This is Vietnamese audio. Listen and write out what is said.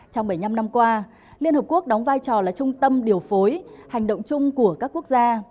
trong bảy mươi năm năm qua liên hợp quốc đóng vai trò là trung tâm điều phối hành động chung của các quốc gia